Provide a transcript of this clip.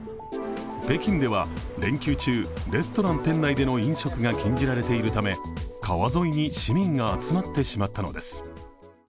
北京では連休中、レストラン店内での飲食が禁じられているため、川沿いに市民が集まってしまったのです。